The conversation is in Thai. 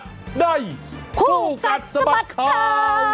ชัดได้ผู้กัดสะบัดข่าว